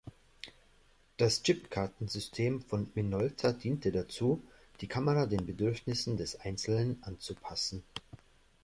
Das Chipkarten-System von Minolta diente dazu, die Kamera den Bedürfnissen des Einzelnen anzupassen.